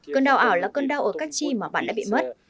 cơn đau ảo là cơn đau ở các chi mà bạn đã bị mất